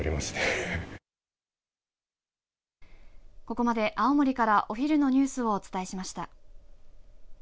ここまで、青森からお昼のニュースをお伝えしました。